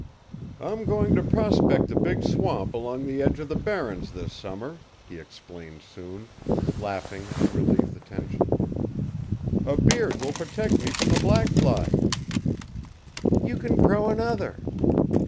"I'm going to prospect the big swamp along the edge of the Barrens this summer," he explained soon, laughing to relieve the tension. "A beard will protect me from the black flies." "You can grow another."